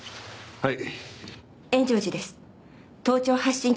はい。